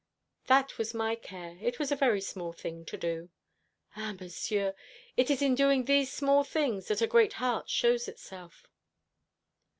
"That was my care. It was a very small thing to do." "Ah, Monsieur, it is in doing these small things that a great heart shows itself."